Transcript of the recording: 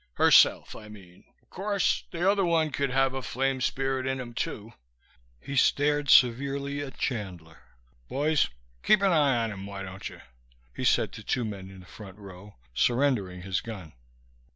Herself, I mean. Course, the other one could have a flame spirit in him too." He stared severely at Chandler. "Boys, keep an eye on him, why don't you?" he said to two men in the front row, surrendering his gun.